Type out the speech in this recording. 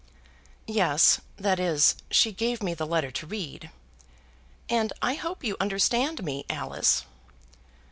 "Yes, that is, she gave me the letter to read." "And I hope you understand me, Alice?"